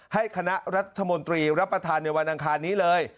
ให้คณะรัฐมนตรีรับประทานในวันอังคารนี้เลย